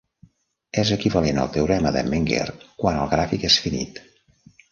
És equivalent al teorema de Menger quan el gràfic és finit.